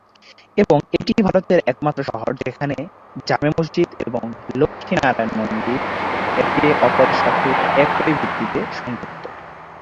এবং এটিই ভারতের একমাত্র শহর যেখানে "জামে মসজিদ" এবং "লক্ষ্মী নারায়ণ মন্দির" একে অপরের সাথে এক ভিত্তিতে সংযুক্ত।